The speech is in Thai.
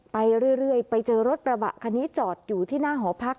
ไปเรื่อยไปเจอรถกระบะคันนี้จอดอยู่ที่หน้าหอพัก